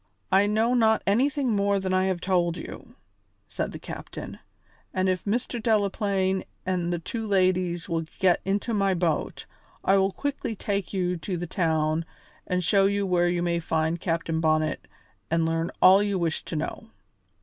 "I know not anything more than I have told you," said the captain. "And if Mr. Delaplaine and the two ladies will get into my boat, I will quickly take you to the town and show you where you may find Captain Bonnet and learn all you wish to know."